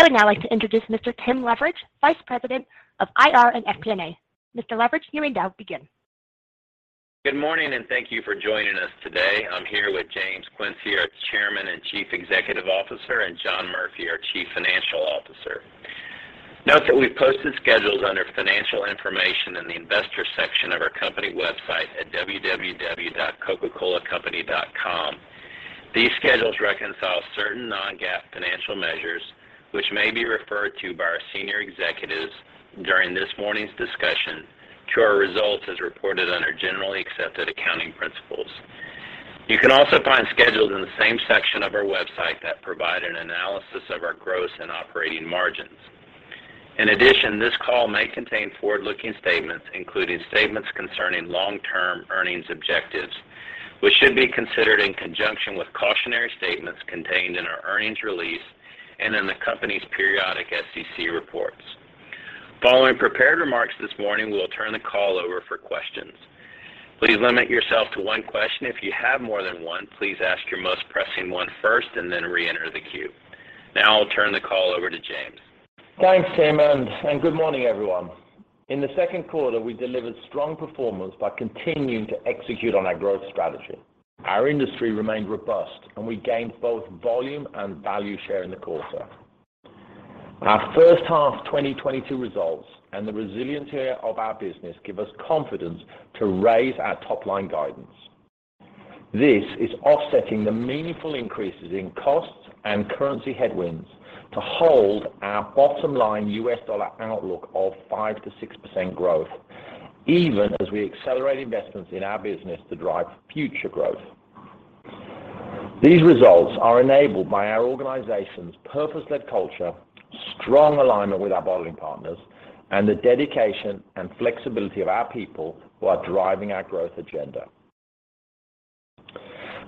I would now like to introduce Mr. Tim Leveridge, Vice President of IR and FP&A. Mr. Leveridge, you may now begin. Good morning, and thank you for joining us today. I'm here with James Quincey, our Chairman and Chief Executive Officer, and John Murphy, our Chief Financial Officer. Note that we've posted schedules under Financial Information in the Investor section of our company website at www.coca-colacompany.com. These schedules reconcile certain non-GAAP financial measures which may be referred to by our senior executives during this morning's discussion to our results as reported under generally accepted accounting principles. You can also find schedules in the same section of our website that provide an analysis of our gross and operating margins. In addition, this call may contain forward-looking statements, including statements concerning long-term earnings objectives, which should be considered in conjunction with cautionary statements contained in our earnings release and in the company's periodic SEC reports. Following prepared remarks this morning, we will turn the call over for questions. Please limit yourself to one question. If you have more than one, please ask your most pressing one first and then reenter the queue. Now I'll turn the call over to James. Thanks, Tim, and good morning, everyone. In the second quarter, we delivered strong performance by continuing to execute on our growth strategy. Our industry remained robust, and we gained both volume and value share in the quarter. Our first half 2022 results and the resiliency of our business give us confidence to raise our top-line guidance. This is offsetting the meaningful increases in costs and currency headwinds to hold our bottom-line U.S. dollar outlook of 5%-6% growth, even as we accelerate investments in our business to drive future growth. These results are enabled by our organization's purpose-led culture, strong alignment with our bottling partners, and the dedication and flexibility of our people who are driving our growth agenda.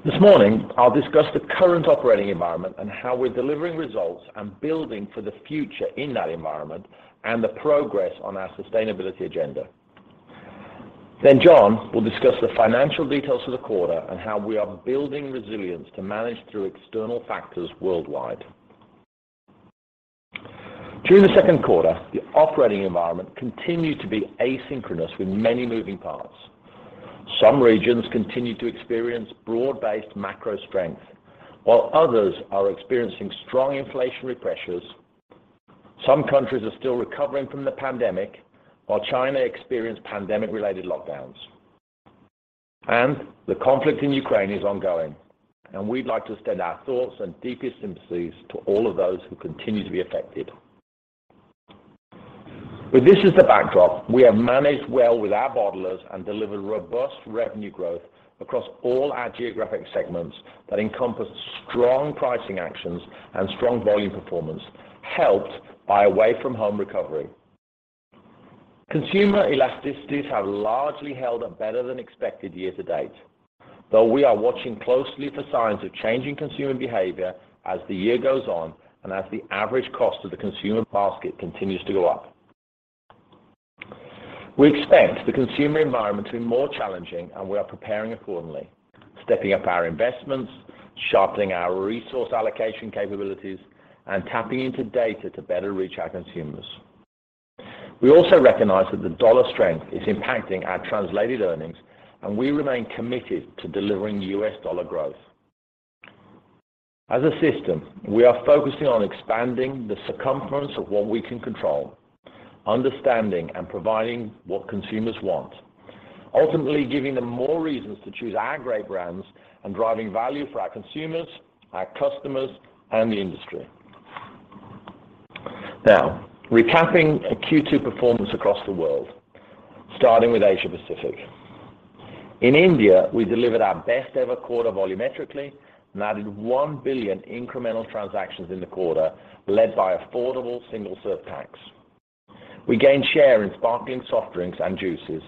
This morning, I'll discuss the current operating environment and how we're delivering results and building for the future in that environment and the progress on our sustainability agenda. John will discuss the financial details of the quarter and how we are building resilience to manage through external factors worldwide. During the second quarter, the operating environment continued to be asynchronous with many moving parts. Some regions continued to experience broad-based macro strength, while others are experiencing strong inflationary pressures. Some countries are still recovering from the pandemic, while China experienced pandemic-related lockdowns. The conflict in Ukraine is ongoing, and we'd like to extend our thoughts and deepest sympathies to all of those who continue to be affected. With this as the backdrop, we have managed well with our bottlers and delivered robust revenue growth across all our geographic segments that encompass strong pricing actions and strong volume performance, helped by away-from-home recovery. Consumer elasticities have largely held a better-than-expected year-to-date, though we are watching closely for signs of changing consumer behavior as the year goes on and as the average cost of the consumer basket continues to go up. We expect the consumer environment to be more challenging, and we are preparing accordingly, stepping up our investments, sharpening our resource allocation capabilities, and tapping into data to better reach our consumers. We also recognize that the dollar strength is impacting our translated earnings, and we remain committed to delivering U.S. dollar growth. As a system, we are focusing on expanding the circumference of what we can control, understanding and providing what consumers want, ultimately giving them more reasons to choose our great brands and driving value for our consumers, our customers, and the industry. Now, recapping Q2 performance across the world, starting with Asia Pacific. In India, we delivered our best ever quarter volumetrically and added 1 billion incremental transactions in the quarter, led by affordable single-serve packs. We gained share in sparkling soft drinks and juices,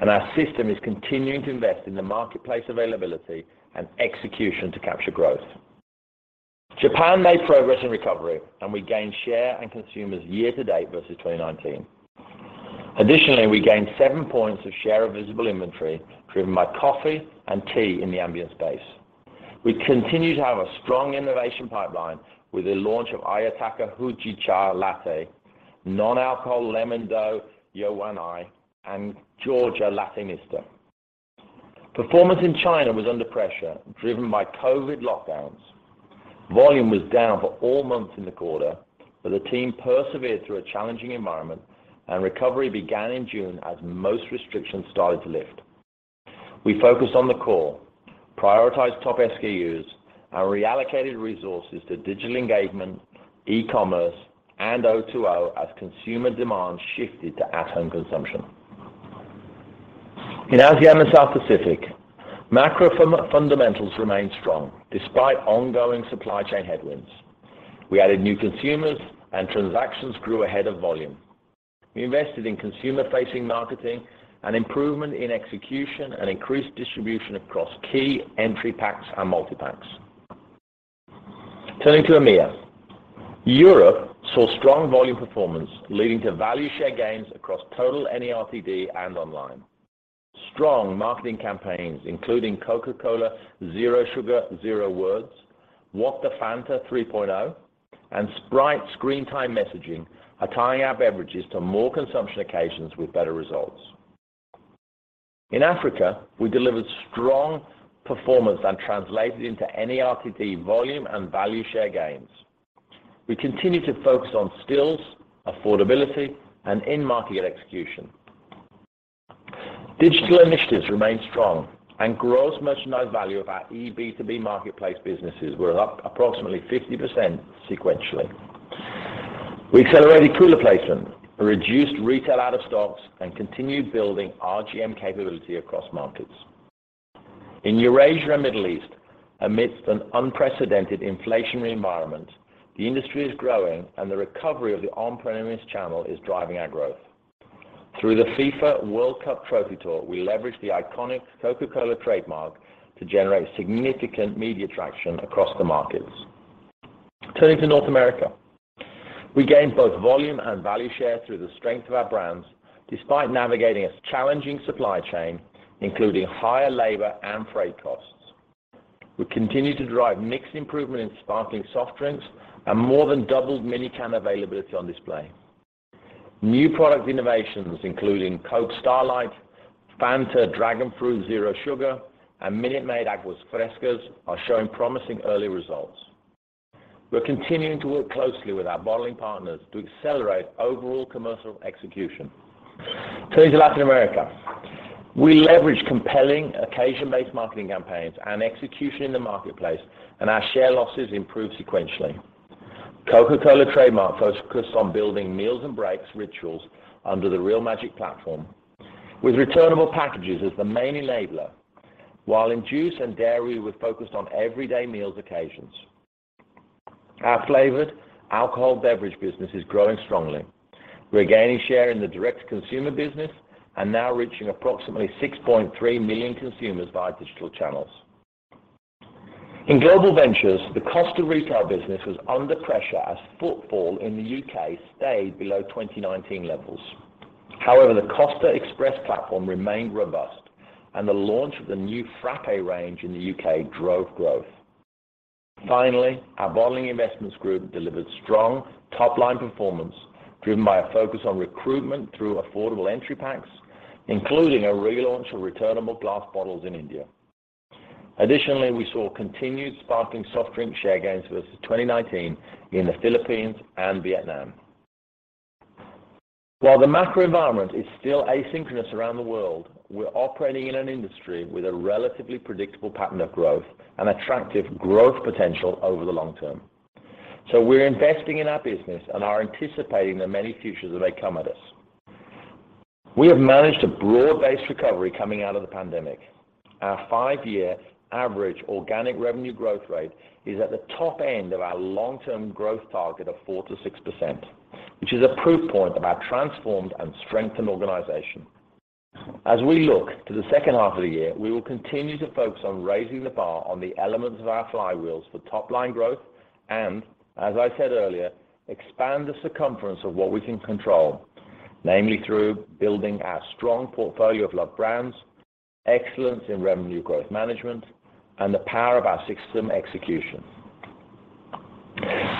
and our system is continuing to invest in the marketplace availability and execution to capture growth. Japan made progress in recovery, and we gained share and consumers year-to-date versus 2019. Additionally, we gained 7 points of share of visible inventory driven by coffee and tea in the ambient space. We continue to have a strong innovation pipeline with the launch of Ayataka Hojicha Latte, non-alcoholic Yowanai Lemon-dou, and Georgia Latte Nista. Performance in China was under pressure, driven by COVID lockdowns. Volume was down for all months in the quarter, but the team persevered through a challenging environment and recovery began in June as most restrictions started to lift. We focused on the core, prioritized top SKUs, and reallocated resources to digital engagement, e-commerce, and O2O as consumer demand shifted to at-home consumption. In ASEAN and South Pacific, macro fundamentals remained strong despite ongoing supply chain headwinds. We added new consumers, and transactions grew ahead of volume. We invested in consumer-facing marketing, an improvement in execution, and increased distribution across key entry packs and multipacks. Turning to EMEA. Europe saw strong volume performance, leading to value share gains across total NARTD and online. Strong marketing campaigns, including Coca-Cola Zero Sugar, Zero Words, What The Fanta 3.0, and Sprite Screen Time Messaging are tying our beverages to more consumption occasions with better results. In Africa, we delivered strong performance that translated into NARTD volume and value share gains. We continue to focus on skills, affordability, and in-market execution. Digital initiatives remain strong and gross merchandise value of our eB2B marketplace businesses were up approximately 50% sequentially. We accelerated cooler placement, reduced retail out of stocks, and continued building RGM capability across markets. In Eurasia and Middle East, amidst an unprecedented inflationary environment, the industry is growing and the recovery of the on-premise channel is driving our growth. Through the FIFA World Cup Trophy tour, we leveraged the iconic Coca-Cola trademark to generate significant media traction across the markets. Turning to North America, we gained both volume and value share through the strength of our brands despite navigating a challenging supply chain, including higher labor and freight costs. We continue to drive mixed improvement in sparkling soft drinks and more than doubled mini-can availability on display. New product innovations, including Coca-Cola Starlight, Fanta Dragon Fruit Zero Sugar, and Minute Maid Aguas Frescas are showing promising early results. We're continuing to work closely with our bottling partners to accelerate overall commercial execution. Turning to Latin America. We leverage compelling occasion-based marketing campaigns and execution in the marketplace, and our share losses improve sequentially. Coca-Cola trademark focused on building meals and breaks rituals under the Real Magic platform with returnable packages as the main enabler. While in juice and dairy, we're focused on everyday meals occasions. Our flavored alcohol beverage business is growing strongly. We're gaining share in the direct consumer business and now reaching approximately 6.3 million consumers via digital channels. In global ventures, the Costa Retail business was under pressure as footfall in the UK stayed below 2019 levels. However, the Costa Express platform remained robust, and the launch of the new Frappé range in the UK drove growth. Finally, our bottling investments group delivered strong top-line performance driven by a focus on recruitment through affordable entry packs, including a relaunch of returnable glass bottles in India. Additionally, we saw continued sparkling soft drink share gains versus 2019 in the Philippines and Vietnam. While the macro environment is still asynchronous around the world, we're operating in an industry with a relatively predictable pattern of growth and attractive growth potential over the long term. So we're investing in our business and are anticipating the many futures that may come at us. We have managed a broad-based recovery coming out of the pandemic. Our 5-year average organic revenue growth rate is at the top end of our long-term growth target of 4%-6%, which is a proof point of our transformed and strengthened organization. As we look to the second half of the year, we will continue to focus on raising the bar on the elements of our flywheels for top-line growth, and as I said earlier, expand the circumference of what we can control, namely through building our strong portfolio of loved brands, excellence in revenue growth management, and the power of our system execution.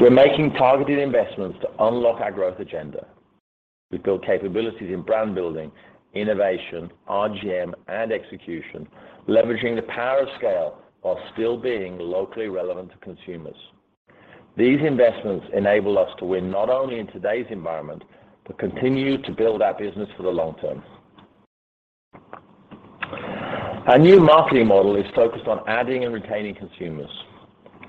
We're making targeted investments to unlock our growth agenda. We build capabilities in brand building, innovation, RGM, and execution, leveraging the power of scale while still being locally relevant to consumers. These investments enable us to win not only in today's environment, but continue to build our business for the long term. Our new marketing model is focused on adding and retaining consumers,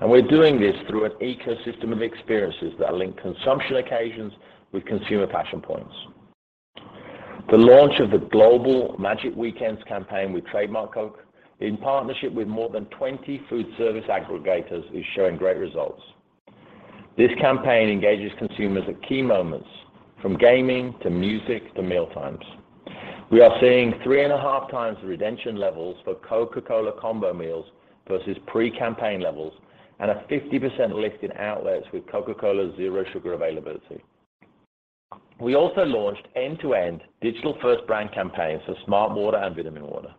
and we're doing this through an ecosystem of experiences that link consumption occasions with consumer passion points. The launch of the global Magic Weekends campaign with Trademark Coke in partnership with more than 20 food service aggregators is showing great results. This campaign engages consumers at key moments from gaming, to music, to mealtimes. We are seeing 3.5 times the redemption levels for Coca-Cola combo meals versus pre-campaign levels and a 50% lift in outlets with Coca-Cola Zero Sugar availability. We also launched end-to-end digital first brand campaigns for smartwater and vitaminwater.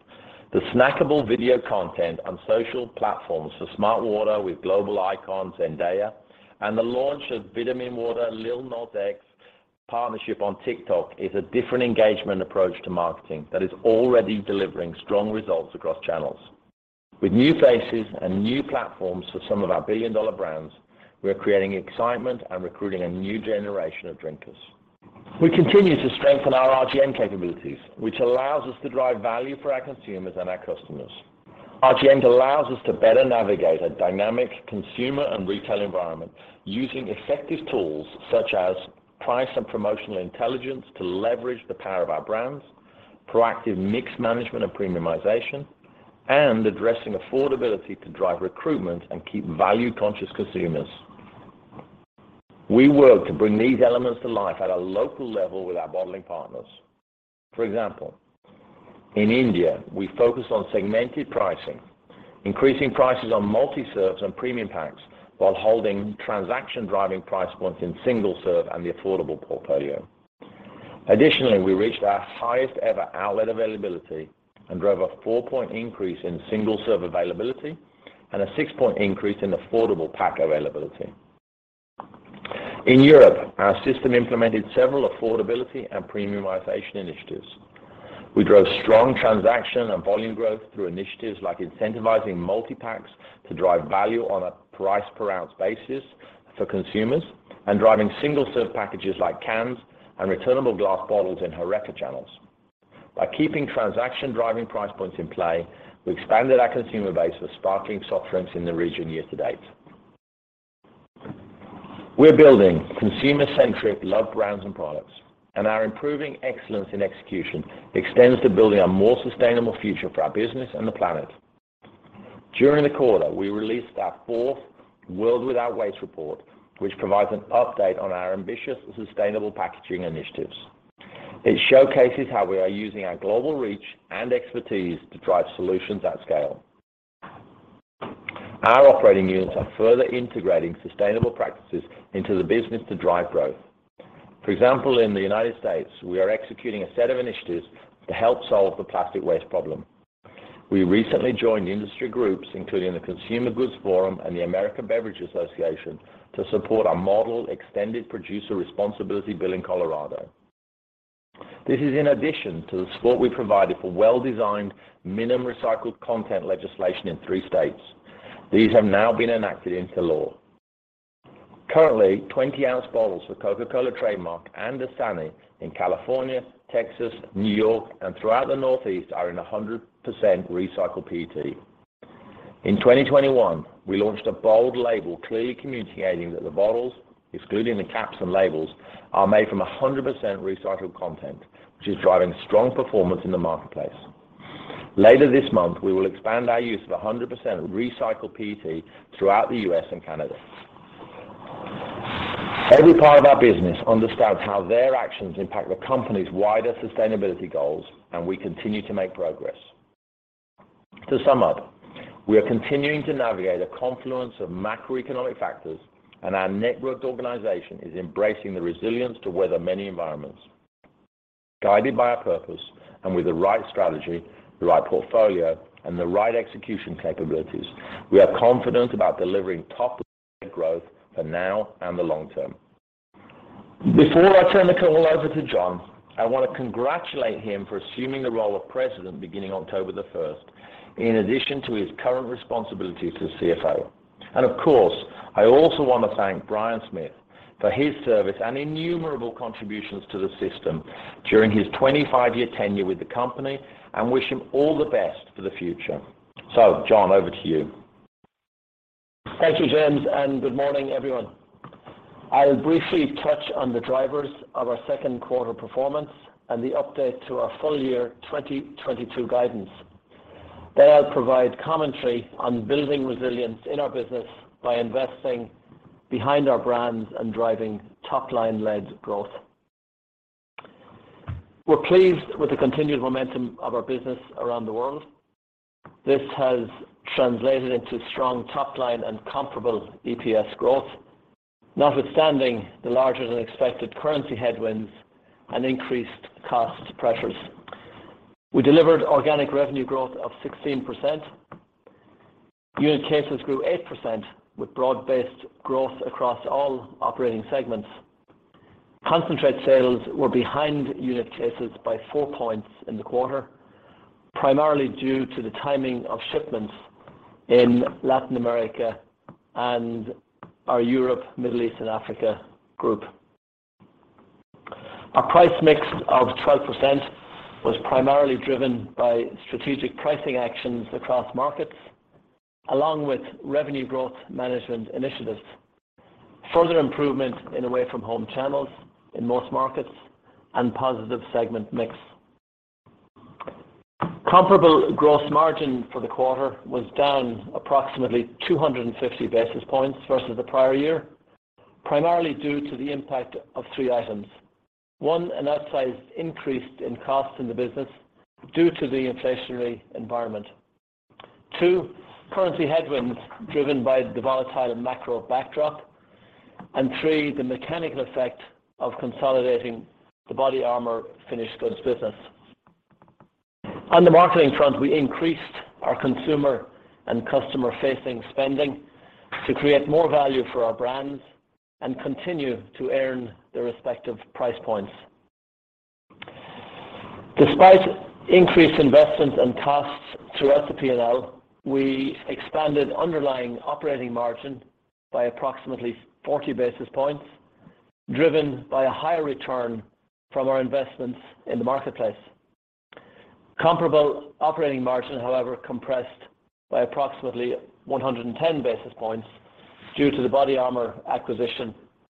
The snackable video content on social platforms for smartwater with global icon Zendaya and the launch of vitaminwater Lil Nas X partnership on TikTok is a different engagement approach to marketing that is already delivering strong results across channels. With new faces and new platforms for some of our billion-dollar brands, we are creating excitement and recruiting a new generation of drinkers. We continue to strengthen our RGM capabilities, which allows us to drive value for our consumers and our customers. RGM allows us to better navigate a dynamic consumer and retail environment using effective tools such as price and promotional intelligence to leverage the power of our brands, proactive mix management and premiumization, and addressing affordability to drive recruitment and keep value-conscious consumers. We work to bring these elements to life at a local level with our bottling partners. For example, in India, we focus on segmented pricing. Increasing prices on multi-serves and premium packs while holding transaction-driving price points in single-serve and the affordable portfolio. Additionally, we reached our highest ever outlet availability and drove a 4-point increase in single-serve availability and a 6-point increase in affordable pack availability. In Europe, our system implemented several affordability and premiumization initiatives. We drove strong transaction and volume growth through initiatives like incentivizing multi-packs to drive value on a price per ounce basis for consumers, and driving single-serve packages like cans and returnable glass bottles in HORECA channels. By keeping transaction-driving price points in play, we expanded our consumer base with sparkling soft drinks in the region year to date. We're building consumer-centric loved brands and products, and our improving excellence in execution extends to building a more sustainable future for our business and the planet. During the quarter, we released our fourth World Without Waste report, which provides an update on our ambitious sustainable packaging initiatives. It showcases how we are using our global reach and expertise to drive solutions at scale. Our operating units are further integrating sustainable practices into the business to drive growth. For example, in the United States, we are executing a set of initiatives to help solve the plastic waste problem. We recently joined industry groups, including the Consumer Goods Forum and the American Beverage Association, to support our model Extended Producer Responsibility bill in Colorado. This is in addition to the support we provided for well-designed minimum recycled content legislation in three states. These have now been enacted into law. Currently, 20-ounce bottles for Coca-Cola trademark and Dasani in California, Texas, New York, and throughout the Northeast are 100% recycled PET. In 2021, we launched a bold label clearly communicating that the bottles, excluding the caps and labels, are made from 100% recycled content, which is driving strong performance in the marketplace. Later this month, we will expand our use of 100% recycled PET throughout the U.S. and Canada. Every part of our business understands how their actions impact the company's wider sustainability goals, and we continue to make progress. To sum up, we are continuing to navigate a confluence of macroeconomic factors, and our networked organization is embracing the resilience to weather many environments. Guided by our purpose and with the right strategy, the right portfolio, and the right execution capabilities, we are confident about delivering top growth for now and the long term. Before I turn the call over to John, I want to congratulate him for assuming the role of President beginning October the first, in addition to his current responsibility as CFO. Of course, I also want to thank Brian Smith for his service and innumerable contributions to the system during his 25-year tenure with the company, and wish him all the best for the future. John, over to you. Thank you, James, and good morning, everyone. I'll briefly touch on the drivers of our second quarter performance and the update to our full year 2022 guidance. I'll provide commentary on building resilience in our business by investing behind our brands and driving top-line led growth. We're pleased with the continued momentum of our business around the world. This has translated into strong top line and comparable EPS growth. Notwithstanding the larger-than-expected currency headwinds and increased cost pressures, we delivered organic revenue growth of 16%. Unit cases grew 8% with broad-based growth across all operating segments. Concentrate sales were behind unit cases by 4 points in the quarter, primarily due to the timing of shipments in Latin America and our Europe, Middle East, and Africa group. A price mix of 12% was primarily driven by strategic pricing actions across markets, along with revenue growth management initiatives, further improvement in away-from-home channels in most markets, and positive segment mix. Comparable gross margin for the quarter was down approximately 250 basis points versus the prior year, primarily due to the impact of three items. One, an outsized increase in cost in the business due to the inflationary environment. Two, currency headwinds driven by the volatile macro backdrop. And three, the mechanical effect of consolidating the BODYARMOR finished goods business. On the marketing front, we increased our consumer and customer-facing spending to create more value for our brands and continue to earn the respective price points. Despite increased investments and costs throughout the P&L, we expanded underlying operating margin by approximately 40 basis points, driven by a higher return from our investments in the marketplace. Comparable operating margin, however, compressed by approximately 110 basis points due to the BODYARMOR acquisition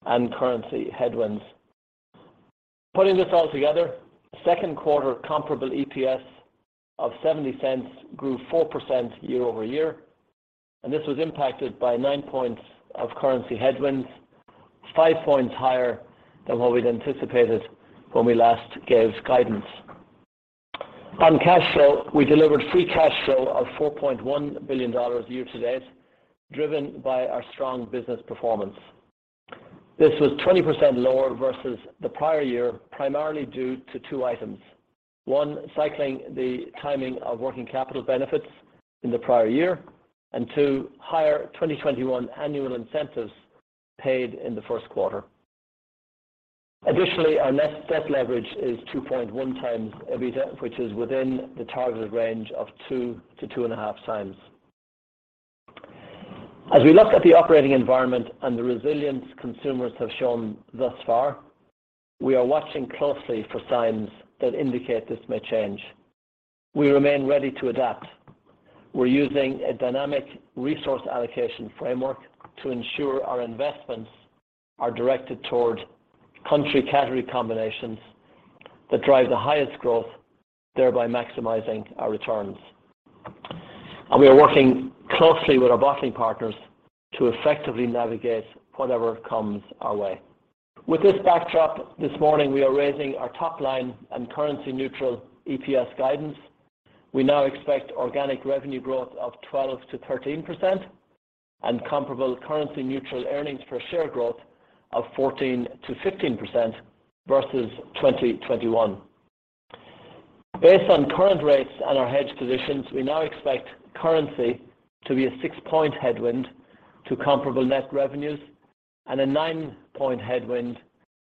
and currency headwinds. Putting this all together, second quarter comparable EPS of $0.70 grew 4% year over year. This was impacted by 9 points of currency headwinds, 5 points higher than what we'd anticipated when we last gave guidance. On cash flow, we delivered free cash flow of $4.1 billion year to date, driven by our strong business performance. This was 20% lower versus the prior year, primarily due to two items. One, cycling the timing of working capital benefits in the prior year. Two, higher 2021 annual incentives paid in the first quarter. Additionally, our net debt leverage is 2.1x EBITDA, which is within the targeted range of 2-2.5 times. As we look at the operating environment and the resilience consumers have shown thus far, we are watching closely for signs that indicate this may change. We remain ready to adapt. We're using a dynamic resource allocation framework to ensure our investments are directed toward country category combinations that drive the highest growth, thereby maximizing our returns. We are working closely with our bottling partners to effectively navigate whatever comes our way. With this backdrop, this morning we are raising our top line and currency neutral EPS guidance. We now expect organic revenue growth of 12%-13% and comparable currency neutral earnings per share growth of 14%-15% versus 2021. Based on current rates and our hedge positions, we now expect currency to be a 6-point headwind to comparable net revenues and a 9-point headwind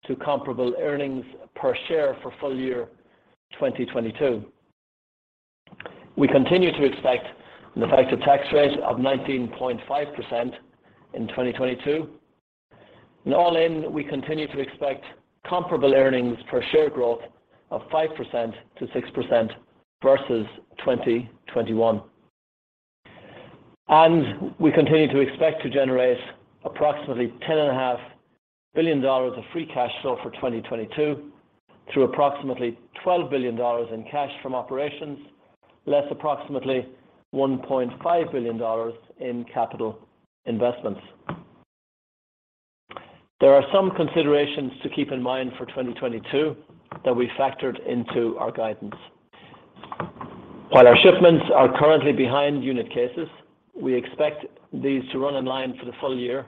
to comparable earnings per share for full year 2022. We continue to expect an effective tax rate of 19.5% in 2022. All in, we continue to expect comparable earnings per share growth of 5%-6% versus 2021. We continue to expect to generate approximately $10.5 billion of free cash flow for 2022 through approximately $12 billion in cash from operations, less approximately $1.5 billion in capital investments. There are some considerations to keep in mind for 2022 that we factored into our guidance. While our shipments are currently behind unit cases, we expect these to run in line for the full year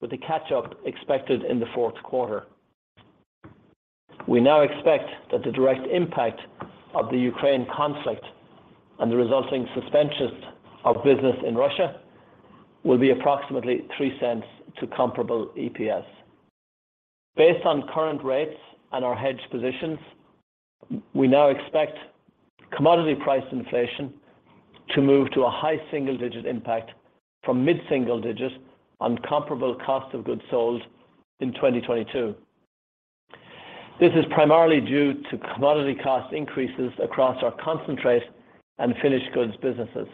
with the catch-up expected in the fourth quarter. We now expect that the direct impact of the Ukraine conflict and the resulting suspension of business in Russia will be approximately $0.03 to comparable EPS. Based on current rates and our hedge positions, we now expect commodity price inflation to move to a high single-digit impact from mid-single digits on comparable cost of goods sold in 2022. This is primarily due to commodity cost increases across our concentrate and finished goods businesses.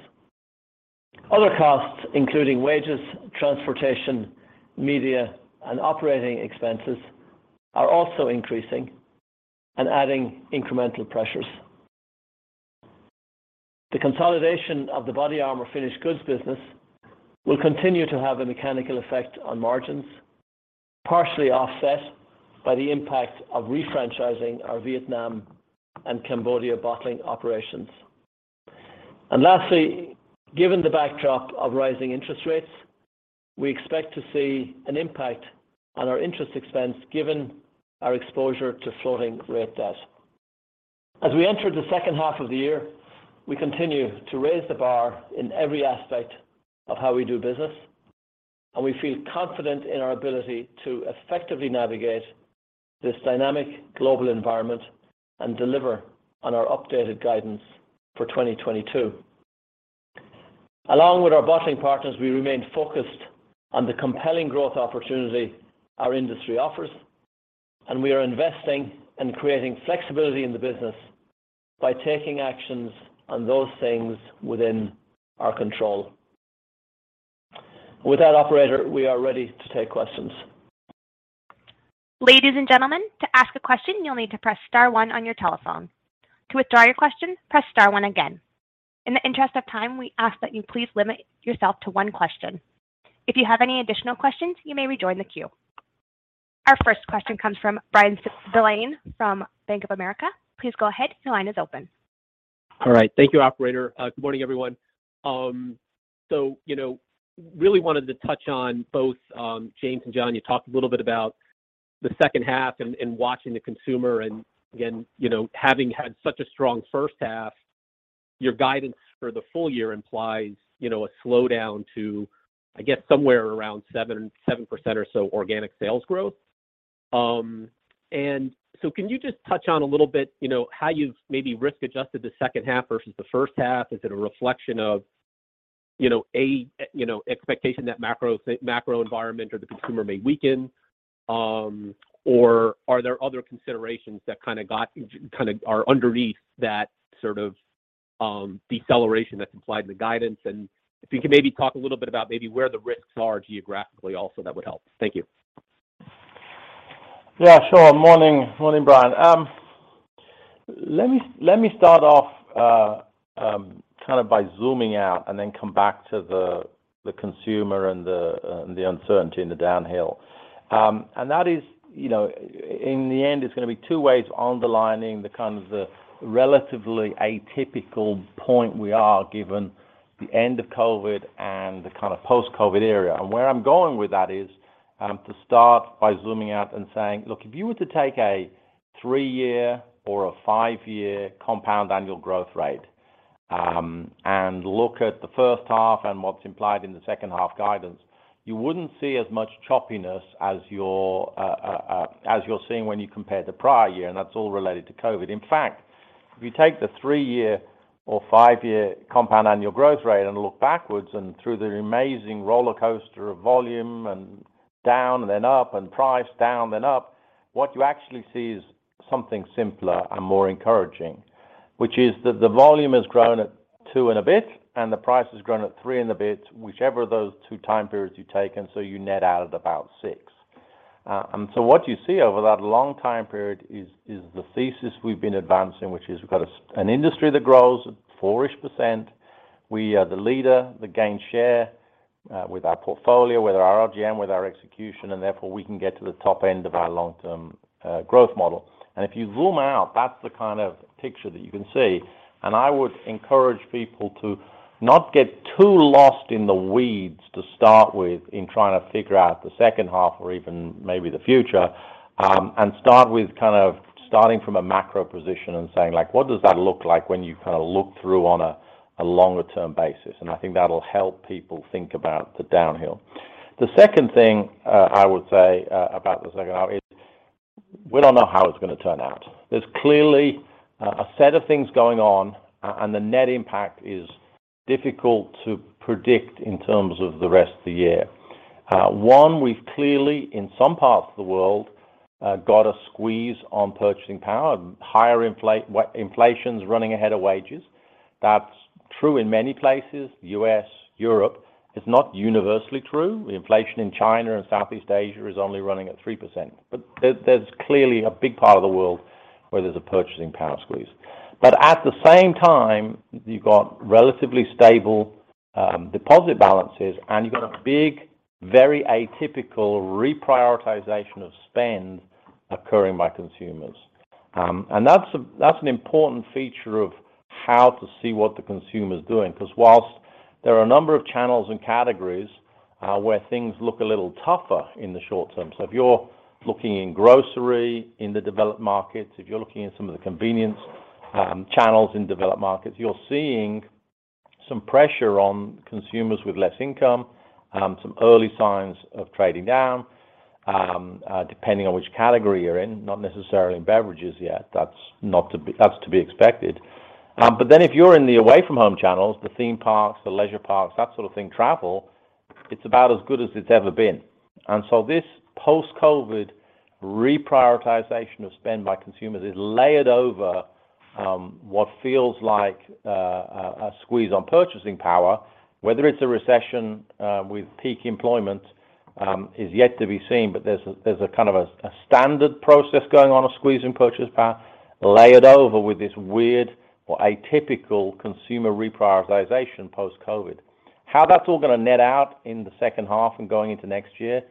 Other costs, including wages, transportation, media, and operating expenses, are also increasing and adding incremental pressures. The consolidation of the BODYARMOR finished goods business will continue to have a mechanical effect on margins, partially offset by the impact of refranchising our Vietnam and Cambodia bottling operations. Lastly, given the backdrop of rising interest rates, we expect to see an impact on our interest expense given our exposure to floating rate debt. As we enter the second half of the year, we continue to raise the bar in every aspect of how we do business, and we feel confident in our ability to effectively navigate this dynamic global environment and deliver on our updated guidance for 2022. Along with our bottling partners, we remain focused on the compelling growth opportunity our industry offers, and we are investing and creating flexibility in the business by taking actions on those things within our control. With that, operator, we are ready to take questions. Ladies and gentlemen, to ask a question, you'll need to press star one on your telephone. To withdraw your question, press star one again. In the interest of time, we ask that you please limit yourself to one question. If you have any additional questions, you may rejoin the queue. Our first question comes from Bryan Spillane from Bank of America. Please go ahead. Your line is open. All right. Thank you, operator. Good morning, everyone. You know, really wanted to touch on both, James and John. You talked a little bit about the second half and watching the consumer. Again, you know, having had such a strong first half, your guidance for the full year implies, you know, a slowdown to, I guess, somewhere around 7% or so organic sales growth. Can you just touch on a little bit, you know, how you've maybe risk-adjusted the second half versus the first half? Is it a reflection of, you know, a expectation that macro environment or the consumer may weaken? Or are there other considerations that kind of are underneath that sort of deceleration that's implied in the guidance? If you can maybe talk a little bit about maybe where the risks are geographically also, that would help. Thank you. Yeah, sure. Morning. Morning, Brian. Let me start off kind of by zooming out and then come back to the consumer and the uncertainty in the downhill. That is, you know, in the end, it's gonna be two ways underlining the kind of the relatively atypical point we are given the end of COVID and the kind of post-COVID era. Where I'm going with that is, to start by zooming out and saying, look, if you were to take a three-year or a five-year compound annual growth rate, and look at the first half and what's implied in the second half guidance, you wouldn't see as much choppiness as you're seeing when you compare the prior year, and that's all related to COVID. In fact, if you take the 3-year or 5-year compound annual growth rate and look backwards and through the amazing roller coaster of volume and down and then up and price down and up, what you actually see is something simpler and more encouraging, which is that the volume has grown at 2% and a bit, and the price has grown at 3% and a bit, whichever of those two time periods you take, and so you net out at about 6%. What you see over that long time period is the thesis we've been advancing, which is we've got an industry that grows at 4%-ish. We are the leader that gains share, with our portfolio, with our RGM, with our execution, and therefore we can get to the top end of our long-term growth model. If you zoom out, that's the kind of picture that you can see. I would encourage people to not get too lost in the weeds to start with in trying to figure out the second half or even maybe the future, and start with kind of starting from a macro position and saying like, "What does that look like when you kind of look through on a longer term basis?" I think that'll help people think about the downside. The second thing, I would say about the second half is we don't know how it's gonna turn out. There's clearly a set of things going on and the net impact is difficult to predict in terms of the rest of the year. One, we've clearly, in some parts of the world, got a squeeze on purchasing power. Higher inflation's running ahead of wages. That's true in many places, US, Europe. It's not universally true. The inflation in China and Southeast Asia is only running at 3%. There, there's clearly a big part of the world where there's a purchasing power squeeze. At the same time, you've got relatively stable deposit balances, and you've got a big, very atypical reprioritization of spend occurring by consumers. That's an important feature of how to see what the consumer's doing, 'cause whilst there are a number of channels and categories where things look a little tougher in the short term. If you're looking in grocery in the developed markets, if you're looking in some of the convenience channels in developed markets, you're seeing some pressure on consumers with less income, some early signs of trading down, depending on which category you're in, not necessarily in beverages yet. That's to be expected. But then if you're in the away from home channels, the theme parks, the leisure parks, that sort of thing, travel, it's about as good as it's ever been. This post-COVID reprioritization of spend by consumers is layered over what feels like a squeeze on purchasing power. Whether it's a recession with peak employment is yet to be seen, but there's a kind of a standard process going on, a squeeze in purchasing power layered over with this weird or atypical consumer reprioritization post-COVID. How that's all gonna net out in the second half and going into next year,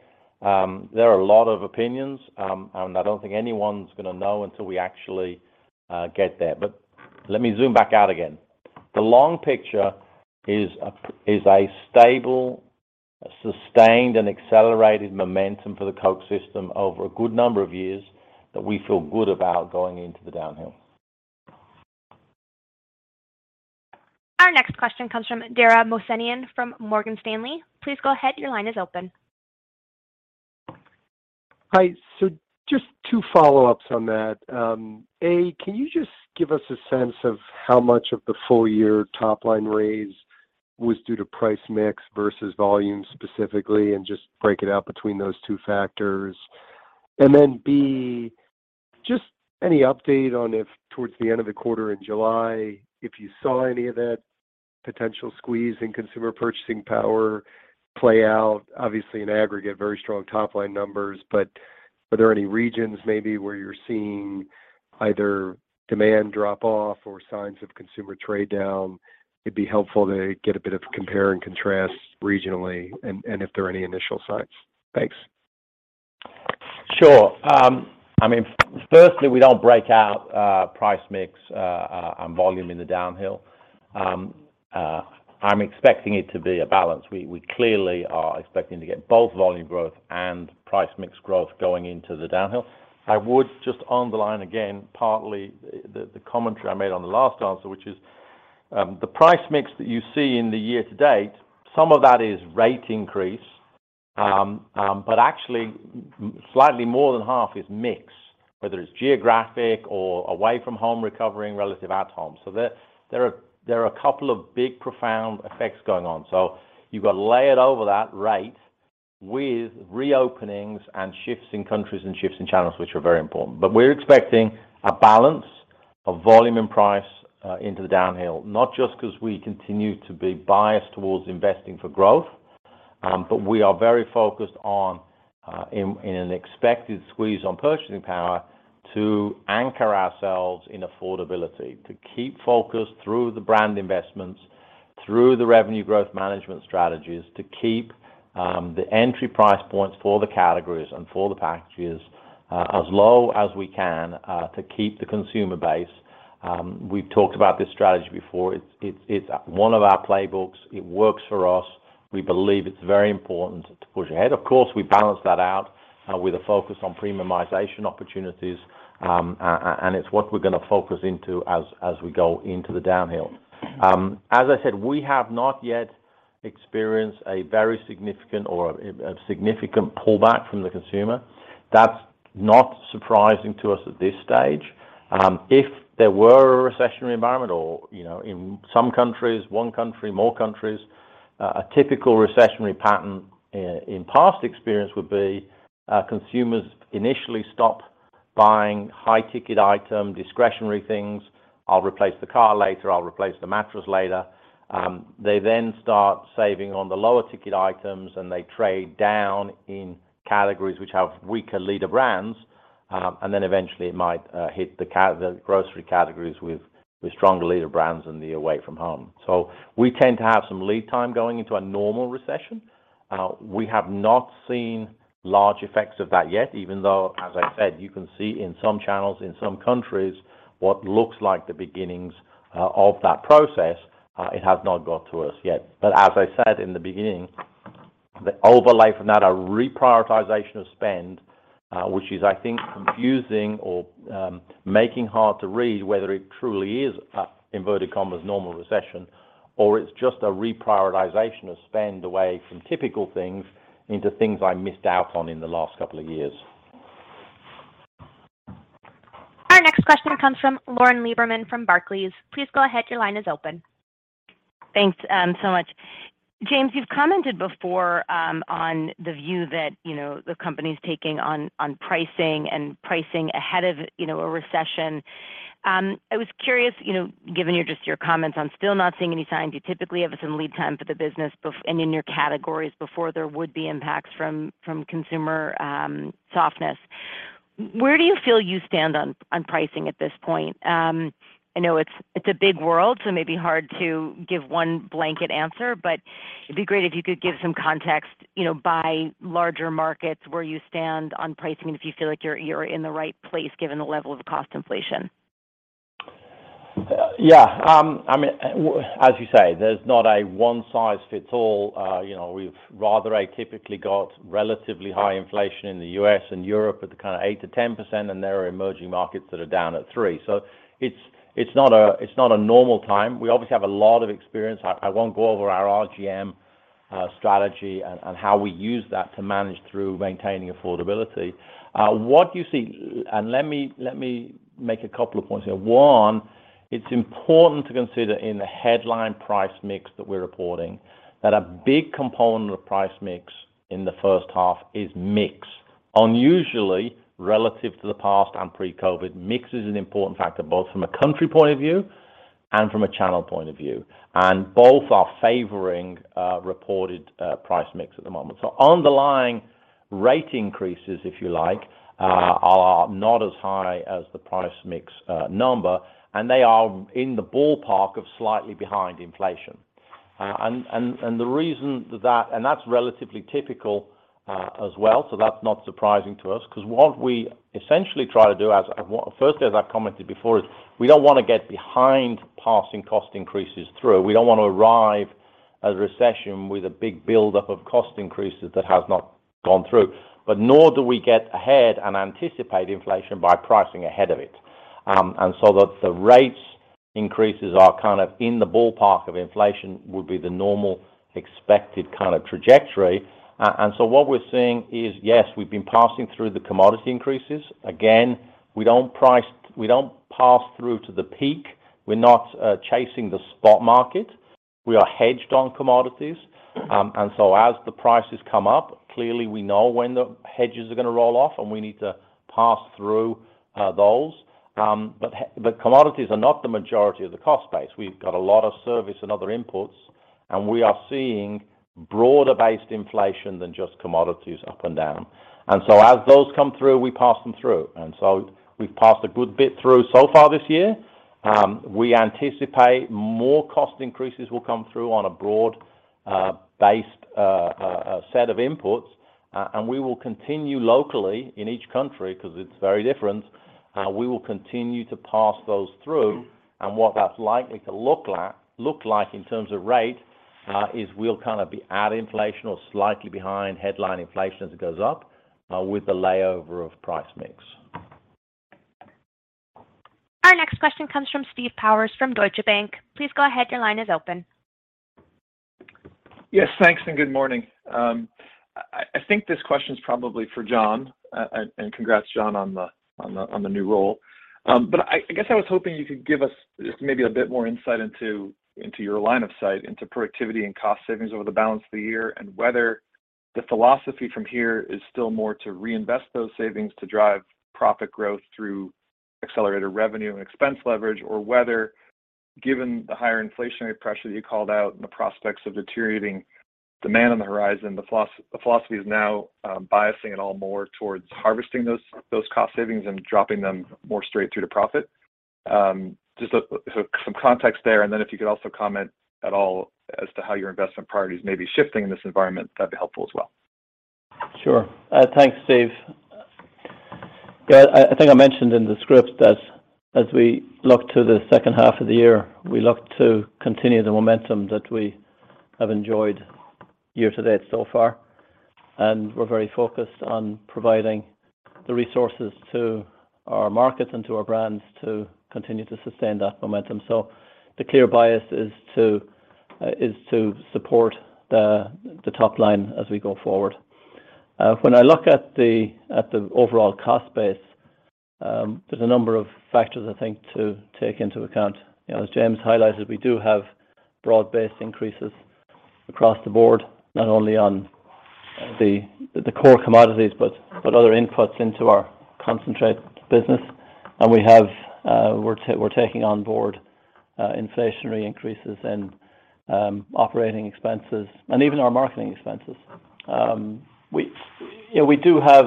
there are a lot of opinions, and I don't think anyone's gonna know until we actually get there. Let me zoom back out again. The long picture is a stable, sustained, and accelerated momentum for the Coke system over a good number of years that we feel good about going into the downhill. Our next question comes from Dara Mohsenian from Morgan Stanley. Please go ahead, your line is open. Hi. Just two follow-ups on that. A, can you just give us a sense of how much of the full year top line raise was due to price mix versus volume specifically, and just break it out between those two factors? B, just any update on if towards the end of the quarter in July, if you saw any of that potential squeeze in consumer purchasing power play out, obviously in aggregate, very strong top-line numbers, but are there any regions maybe where you're seeing either demand drop off or signs of consumer trade down? It'd be helpful to get a bit of compare and contrast regionally and if there are any initial signs. Thanks. Sure. I mean, firstly, we don't break out price mix and volume in the detail. I'm expecting it to be a balance. We clearly are expecting to get both volume growth and price mix growth going into the second half. I would just underline again, partly the commentary I made on the last answer, which is, the price mix that you see in the year to date, some of that is rate increase. But actually slightly more than half is mix, whether it's geographic or away from home recovery relative to at home. There are a couple of big profound effects going on. You've got to layer over that rate with reopenings and shifts in countries and shifts in channels, which are very important. We're expecting a balance of volume and price into the downhill, not just 'cause we continue to be biased towards investing for growth, but we are very focused on in an expected squeeze on purchasing power to anchor ourselves in affordability, to keep focused through the brand investments, through the revenue growth management strategies, to keep the entry price points for the categories and for the packages as low as we can to keep the consumer base. We've talked about this strategy before. It's one of our playbooks. It works for us. We believe it's very important to push ahead. Of course, we balance that out with a focus on premiumization opportunities, and it's what we're gonna focus into as we go into the downhill. As I said, we have not yet experienced a very significant or a significant pullback from the consumer. That's not surprising to us at this stage. If there were a recessionary environment or in some countries, one country, more countries, a typical recessionary pattern in past experience would be consumers initially stop buying high ticket item, discretionary things. I'll replace the car later. I'll replace the mattress later. They then start saving on the lower ticket items, and they trade down in categories which have weaker leader brands. And then eventually it might hit the grocery categories with stronger leader brands and the away from home. We tend to have some lead time going into a normal recession. We have not seen large effects of that yet, even though, as I said, you can see in some channels, in some countries, what looks like the beginnings of that process. It has not got to us yet. As I said in the beginning, the overlay from that, a reprioritization of spend, which is, I think, confusing or making hard to read whether it truly is an inverted commas normal recession, or it's just a reprioritization of spend away from typical things into things I missed out on in the last couple of years. Our next question comes from Lauren Lieberman from Barclays. Please go ahead. Your line is open. Thanks, so much. James, you've commented before on the view that, you know, the company's taking on pricing and pricing ahead of, you know, a recession. I was curious, you know, given your comments on still not seeing any signs. You typically have some lead time for the business and in your categories before there would be impacts from consumer softness. Where do you feel you stand on pricing at this point? I know it's a big world, so it may be hard to give one blanket answer, but it'd be great if you could give some context, you know, by larger markets where you stand on pricing, if you feel like you're in the right place given the level of cost inflation. Yeah. I mean, as you say, there's not a one-size-fits-all. You know, we've rather atypically got relatively high inflation in the U.S. and Europe at 8%-10%, and there are emerging markets that are down at 3%. It's not a normal time. We obviously have a lot of experience. I won't go over our RGM strategy and how we use that to manage through maintaining affordability. What you see. Let me make a couple of points here. One, it's important to consider in the headline price mix that we're reporting that a big component of price mix in the first half is mix. Unusually, relative to the past and pre-COVID, mix is an important factor, both from a country point of view and from a channel point of view, and both are favoring reported price mix at the moment. Underlying rate increases, if you like, are not as high as the price mix number, and they are in the ballpark of slightly behind inflation. That's relatively typical, as well, so that's not surprising to us. 'Cause what we essentially try to do, firstly, as I commented before, is we don't wanna get behind passing cost increases through. We don't wanna enter a recession with a big buildup of cost increases that has not gone through. Nor do we get ahead and anticipate inflation by pricing ahead of it. The rate increases are kind of in the ballpark of inflation. That would be the normal expected kind of trajectory. What we're seeing is, yes, we've been passing through the commodity increases. Again, we don't pass through to the peak. We're not chasing the spot market. We are hedged on commodities. As the prices come up, clearly we know when the hedges are gonna roll off, and we need to pass through those. Commodities are not the majority of the cost base. We've got a lot of service and other inputs, and we are seeing broader-based inflation than just commodities up and down. As those come through, we pass them through. We've passed a good bit through so far this year. We anticipate more cost increases will come through on a broad-based set of inputs. We will continue locally in each country, 'cause it's very different, we will continue to pass those through. What that's likely to look like in terms of rate is we'll kinda be at inflation or slightly behind headline inflation as it goes up, with the overlay of price mix. Our next question comes from Steve Powers from Deutsche Bank. Please go ahead. Your line is open. Yes, thanks, and good morning. I think this question is probably for John, and congrats, John, on the new role. I guess I was hoping you could give us just maybe a bit more insight into your line of sight into productivity and cost savings over the balance of the year and whether The philosophy from here is still more to reinvest those savings to drive profit growth through accelerated revenue and expense leverage, or whether, given the higher inflationary pressure that you called out and the prospects of deteriorating demand on the horizon, the philosophy is now biasing it all more towards harvesting those cost savings and dropping them more straight through to profit. Just some context there, and then if you could also comment at all as to how your investment priorities may be shifting in this environment, that'd be helpful as well. Sure. Thanks, Steve. Yeah, I think I mentioned in the script that as we look to the second half of the year, we look to continue the momentum that we have enjoyed year to date so far. We're very focused on providing the resources to our markets and to our brands to continue to sustain that momentum. The clear bias is to support the top line as we go forward. When I look at the overall cost base, there's a number of factors I think to take into account. You know, as James highlighted, we do have broad-based increases across the board, not only on the core commodities, but other inputs into our concentrate business. We're taking on board inflationary increases in operating expenses and even our marketing expenses. You know, we do have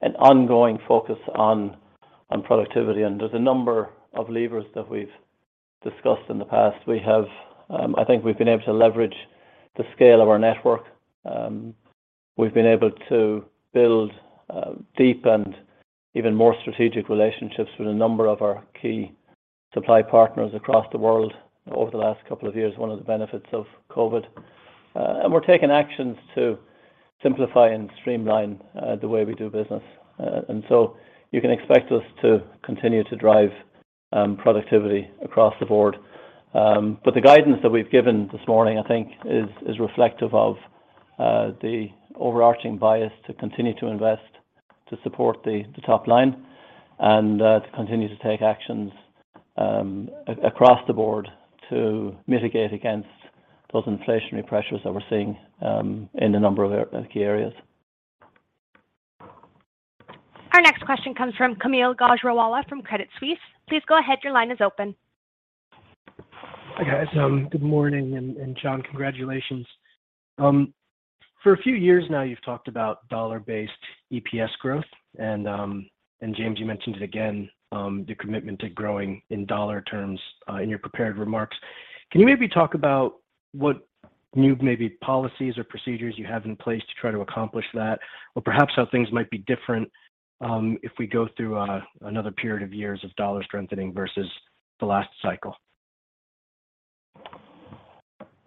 an ongoing focus on productivity, and there's a number of levers that we've discussed in the past. We have, I think we've been able to leverage the scale of our network. We've been able to build deep and even more strategic relationships with a number of our key supply partners across the world over the last couple of years, one of the benefits of COVID. We're taking actions to simplify and streamline the way we do business. You can expect us to continue to drive productivity across the board. The guidance that we've given this morning, I think is reflective of the overarching bias to continue to invest to support the top line and to continue to take actions across the board to mitigate against those inflationary pressures that we're seeing in a number of key areas. Our next question comes from Kaumil Gajrawala from Credit Suisse. Please go ahead, your line is open. Hi, guys. Good morning, and John, congratulations. For a few years now, you've talked about dollar-based EPS growth and James, you mentioned it again, your commitment to growing in dollar terms, in your prepared remarks. Can you maybe talk about what new maybe policies or procedures you have in place to try to accomplish that? Perhaps how things might be different, if we go through another period of years of dollar strengthening versus the last cycle?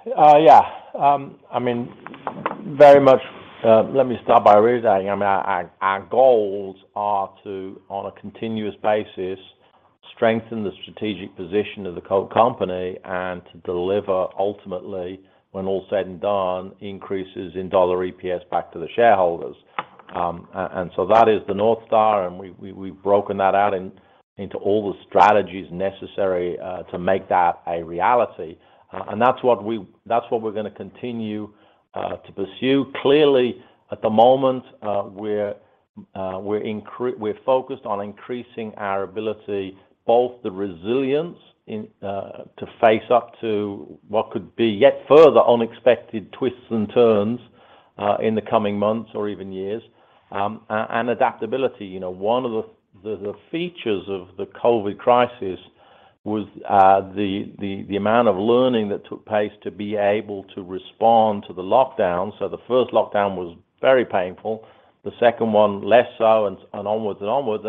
Yeah. I mean, very much, let me start by reiterating. I mean, our goals are to, on a continuous basis, strengthen the strategic position of The Coca-Cola Company and to deliver ultimately, when all is said and done, increases in dollar EPS back to the shareholders. That is the North Star, and we've broken that out into all the strategies necessary to make that a reality. That's what we're gonna continue to pursue. Clearly, at the moment, we're focused on increasing our ability, both resilience and adaptability to face up to what could be yet further unexpected twists and turns in the coming months or even years. You know, one of the features of the COVID crisis was the amount of learning that took place to be able to respond to the lockdown. The first lockdown was very painful. The second one less so and onwards.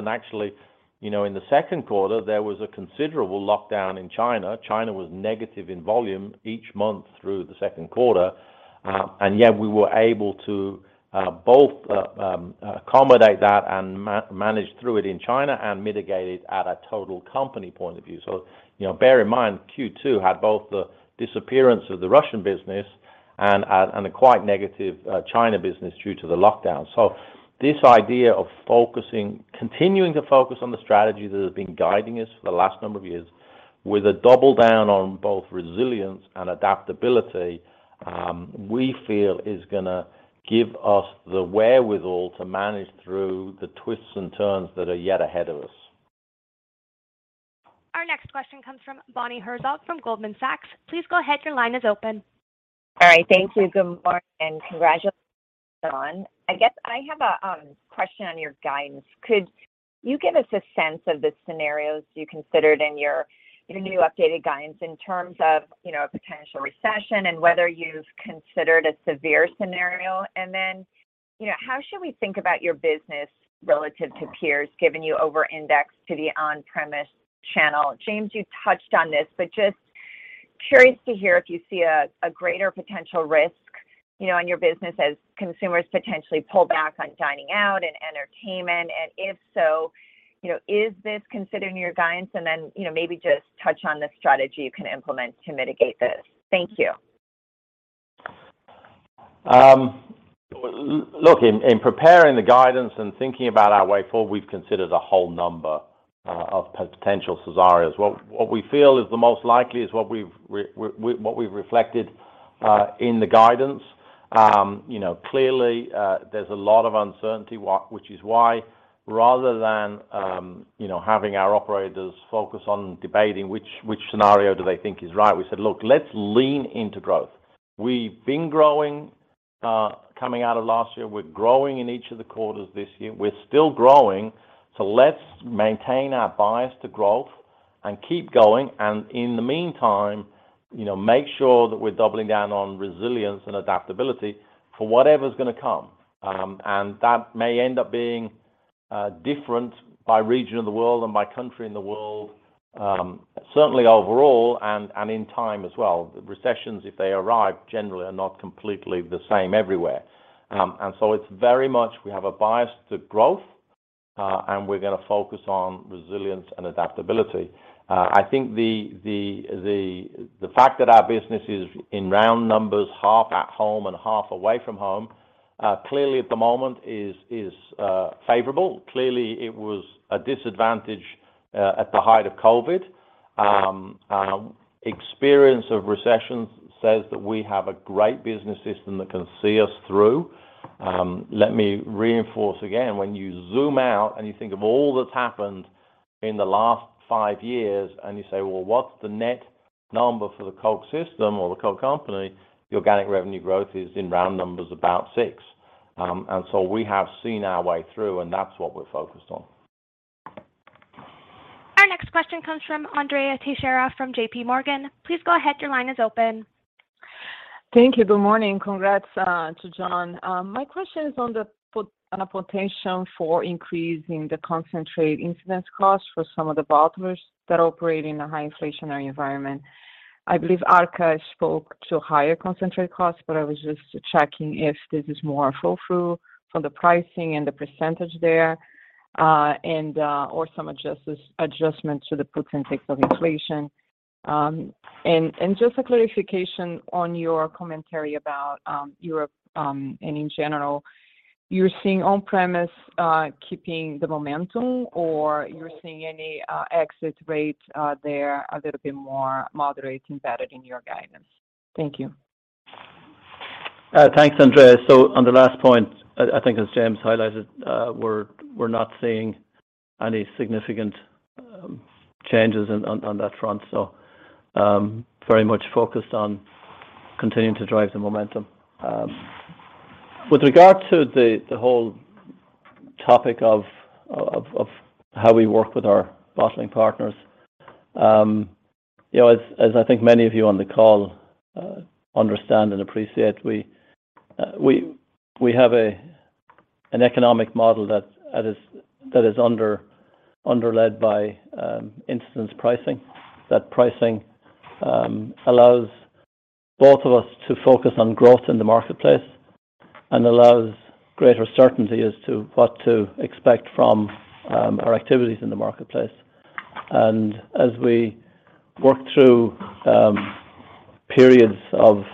Actually, you know, in the second quarter, there was a considerable lockdown in China. China was negative in volume each month through the second quarter. Yet we were able to both accommodate that and manage through it in China and mitigate it at a total company point of view. You know, bear in mind, Q2 had both the disappearance of the Russian business and a quite negative China business due to the lockdown. This idea of continuing to focus on the strategy that has been guiding us for the last number of years with a double down on both resilience and adaptability, we feel is gonna give us the wherewithal to manage through the twists and turns that are yet ahead of us. Our next question comes from Bonnie Herzog from Goldman Sachs. Please go ahead, your line is open. All right. Thank you. Good morning. Congratulations, John. I guess I have a question on your guidance. Could you give us a sense of the scenarios you considered in your new updated guidance in terms of, you know, a potential recession and whether you've considered a severe scenario? And then, you know, how should we think about your business relative to peers, given you over-index to the on-premise channel? James, you touched on this, but just curious to hear if you see a greater potential risk, you know, in your business as consumers potentially pull back on dining out and entertainment, and if so, you know, is this considered in your guidance? And then, you know, maybe just touch on the strategy you can implement to mitigate this. Thank you. Look, in preparing the guidance and thinking about our way forward, we've considered a whole number. Of potential scenarios. What we feel is the most likely is what we've reflected in the guidance. You know, clearly, there's a lot of uncertainty, which is why rather than you know, having our operators focus on debating which scenario do they think is right, we said, "Look, let's lean into growth." We've been growing coming out of last year. We're growing in each of the quarters this year. We're still growing, so let's maintain our bias to growth and keep going, and in the meantime, you know, make sure that we're doubling down on resilience and adaptability for whatever's gonna come. That may end up being different by region of the world and by country in the world, certainly overall and in time as well. Recessions, if they arrive, generally are not completely the same everywhere. It's very much we have a bias to growth, and we're gonna focus on resilience and adaptability. I think the fact that our business is in round numbers, half at home and half away from home, clearly at the moment is favorable. Clearly, it was a disadvantage at the height of COVID. Experience of recessions says that we have a great business system that can see us through. Let me reinforce again, when you zoom out and you think of all that's happened in the last five years, and you say, "Well, what's the net number for The Coke system or The Coke Company?" The organic revenue growth is, in round numbers, about 6%. We have seen our way through, and that's what we're focused on. Our next question comes from Andrea Teixeira from JPMorgan. Please go ahead, your line is open. Thank you. Good morning. Congrats to John. My question is on a potential for increasing the concentrate incidence costs for some of the bottlers that operate in a high inflationary environment. I believe Arca spoke to higher concentrate costs, but I was just checking if this is more follow-through from the pricing and the percentage there, or some adjustment to the puts and takes of inflation. Just a clarification on your commentary about Europe, and in general. You're seeing on-premise keeping the momentum, or you're seeing any exit rates there a little bit more moderate embedded in your guidance? Thank you. Thanks, Andrea. On the last point, I think as James highlighted, we're not seeing any significant changes on that front. Very much focused on continuing to drive the momentum. With regard to the whole topic of how we work with our bottling partners, you know, as I think many of you on the call understand and appreciate, we have an economic model that is underpinned by concentrate pricing. That pricing allows both of us to focus on growth in the marketplace and allows greater certainty as to what to expect from our activities in the marketplace. As we work through periods of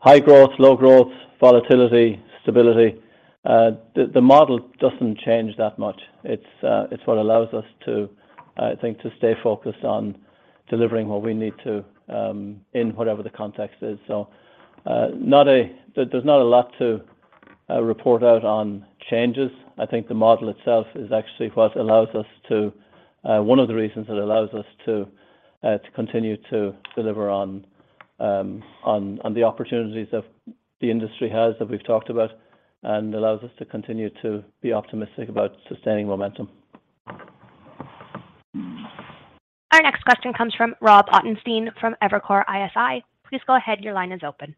high growth, low growth, volatility, stability, the model doesn't change that much. It's what allows us to, I think, to stay focused on delivering what we need to, in whatever the context is. There's not a lot to report out on changes. I think the model itself is actually what allows us to, one of the reasons it allows us to continue to deliver on the opportunities that the industry has, that we've talked about, and allows us to continue to be optimistic about sustaining momentum. Our next question comes from Robert Ottenstein from Evercore ISI. Please go ahead, your line is open.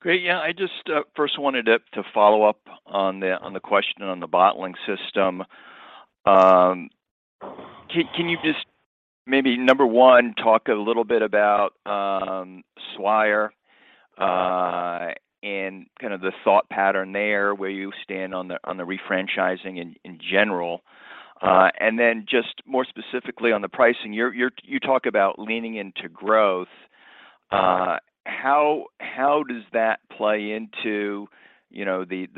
Great. Yeah, I just first wanted to follow up on the question on the bottling system. Can you just maybe, number one, talk a little bit about Swire and kind of the thought pattern there, where you stand on the refranchising in general? And then just more specifically on the pricing, you're you talk about leaning into growth. How does that play into, you know, the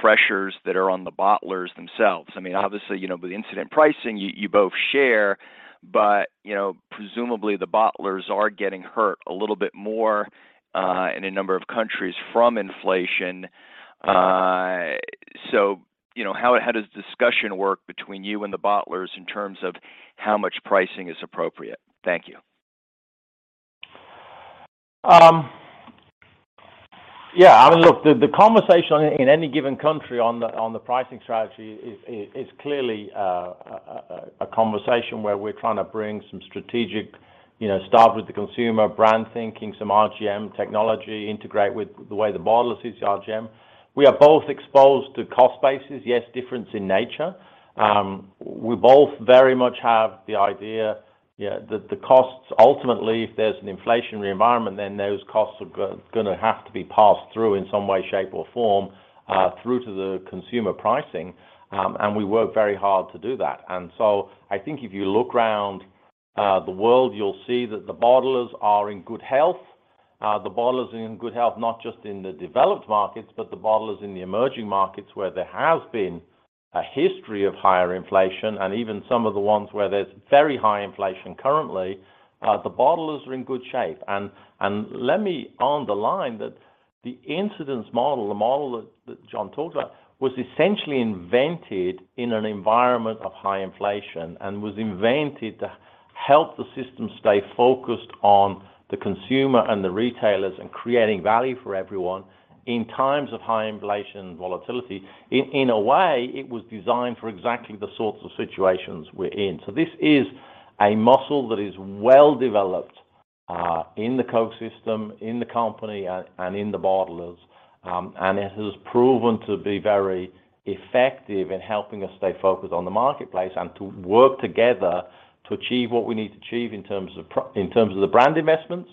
pressures that are on the bottlers themselves? I mean, obviously, you know, with the concentrate pricing, you both share, but, you know, presumably the bottlers are getting hurt a little bit more in a number of countries from inflation. You know, how does the discussion work between you and the bottlers in terms of how much pricing is appropriate? Thank you. Yeah, I mean, look, the conversation in any given country on the pricing strategy is clearly a conversation where we're trying to bring some strategic, you know, start with the consumer brand thinking, some RGM technology, integrate with the way the bottler sees the RGM. We are both exposed to cost bases, yes, difference in nature. We both very much have the idea, yeah, that the costs ultimately, if there's an inflationary environment, then those costs are gonna have to be passed through in some way, shape, or form, through to the consumer pricing, and we work very hard to do that. I think if you look around the world, you'll see that the bottlers are in good health. The bottlers are in good health, not just in the developed markets, but the bottlers in the emerging markets, where there has been a history of higher inflation and even some of the ones where there's very high inflation currently, the bottlers are in good shape. And let me underline that the incidence model, the model that John talked about, was essentially invented in an environment of high inflation and was invented to help the system stay focused on the consumer and the retailers and creating value for everyone in times of high inflation volatility. In a way, it was designed for exactly the sorts of situations we're in. This is a muscle that is well developed in the Coke system, in the company and in the bottlers. It has proven to be very effective in helping us stay focused on the marketplace and to work together to achieve what we need to achieve in terms of the brand investments,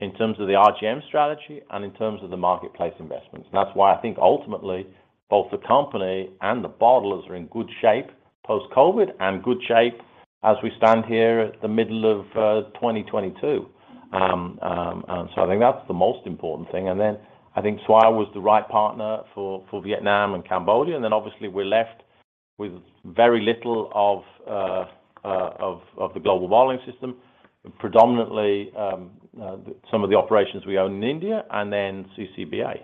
in terms of the RGM strategy, and in terms of the marketplace investments. That's why I think ultimately both the company and the bottlers are in good shape post-COVID and good shape as we stand here at the middle of 2022. I think that's the most important thing. I think Swire was the right partner for Vietnam and Cambodia. Obviously, we're left with very little of the global bottling system, predominantly some of the operations we own in India and then CCBA.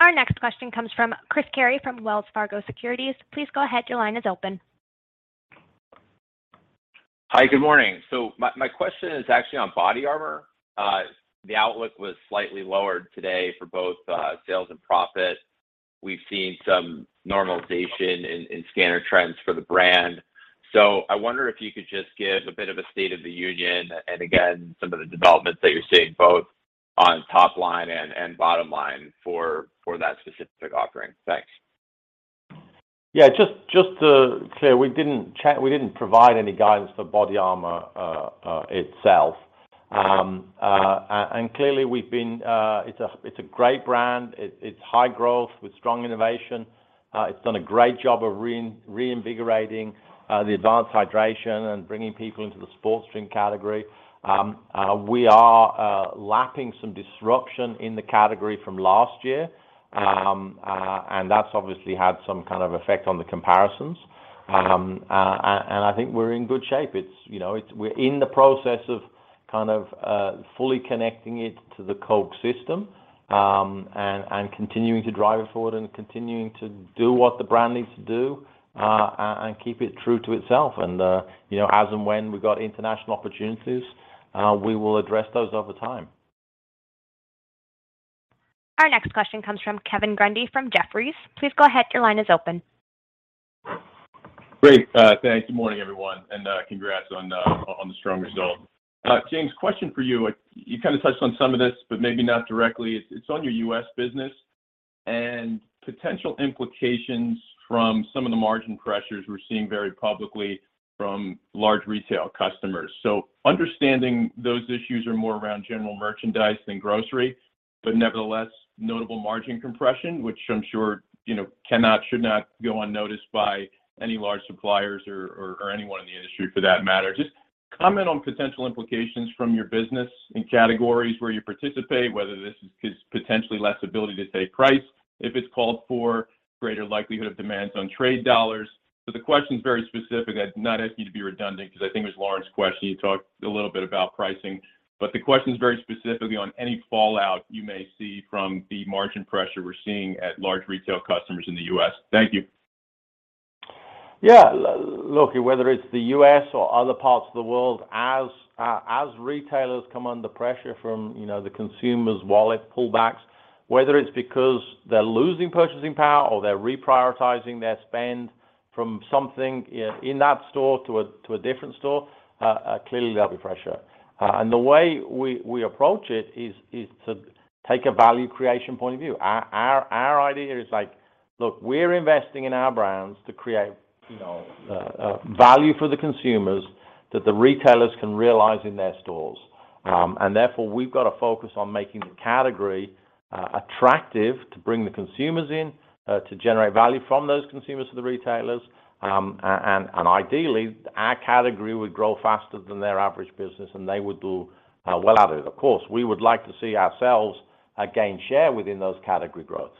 Our next question comes from Chris Carey from Wells Fargo Securities. Please go ahead. Your line is open. Hi. Good morning. My question is actually on BODYARMOR. The outlook was slightly lowered today for both sales and profit. We've seen some normalization in scanner trends for the brand. I wonder if you could just give a bit of a state of the union and again, some of the developments that you're seeing both on top line and bottom line for that specific offering. Thanks. Just to be clear, we didn't provide any guidance for BODYARMOR itself. Clearly, it's a great brand. It's high growth with strong innovation. It's done a great job of reinvigorating the advanced hydration and bringing people into the sports drink category. We are facing some disruption in the category from last year. That's obviously had some kind of effect on the comparisons. I think we're in good shape. You know, we're in the process of fully connecting it to the Coke system and continuing to drive it forward and continuing to do what the brand needs to do and keep it true to itself. You know, as and when we got international opportunities, we will address those over time. Our next question comes from Kevin Grundy from Jefferies. Please go ahead. Your line is open. Great. Thanks. Good morning, everyone, and congrats on the strong result. James, question for you. You kind of touched on some of this, but maybe not directly. It's on your U.S. business and potential implications from some of the margin pressures we're seeing very publicly from large retail customers. Understanding those issues are more around general merchandise than grocery, but nevertheless, notable margin compression, which I'm sure you know cannot, should not go unnoticed by any large suppliers or anyone in the industry for that matter. Just comment on potential implications from your business in categories where you participate, whether this is potentially less ability to take price if it's called for, greater likelihood of demands on trade dollars. The question is very specific. I'd not ask you to be redundant because I think it was Lauren's question. You talked a little bit about pricing. The question is very specifically on any fallout you may see from the margin pressure we're seeing at large retail customers in the U.S. Thank you. Yeah. Look, whether it's the U.S. or other parts of the world, as retailers come under pressure from, you know, the consumer's wallet pullbacks, whether it's because they're losing purchasing power or they're reprioritizing their spend from something in that store to a different store, clearly there'll be pressure. The way we approach it is to take a value creation point of view. Our idea is like, look, we're investing in our brands to create, you know, value for the consumers that the retailers can realize in their stores. Therefore, we've got to focus on making the category attractive to bring the consumers in to generate value from those consumers to the retailers. Ideally, our category would grow faster than their average business, and they would do well out of it. Of course, we would like to see ourselves gain share within those category growth.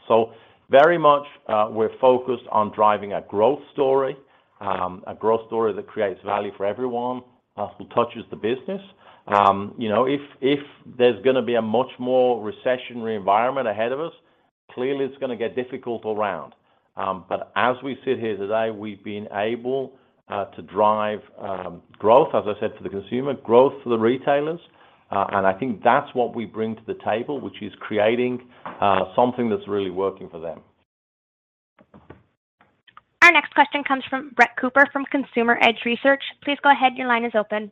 Very much, we're focused on driving a growth story, a growth story that creates value for everyone who touches the business. You know, if there's gonna be a much more recessionary environment ahead of us, clearly it's gonna get difficult all round. As we sit here today, we've been able to drive growth, as I said, for the consumer, growth for the retailers. I think that's what we bring to the table, which is creating something that's really working for them. Our next question comes from Brett Cooper from Consumer Edge Research. Please go ahead. Your line is open.